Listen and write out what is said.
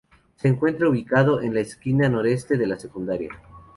Se encuentra ubicado en la esquina noreste de la Sec.